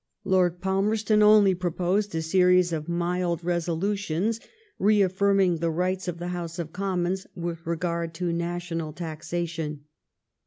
Lord Palmerston only proposed a series of mild resolutions reaffirming the rights of the House of Commons with regard to national taxa tion.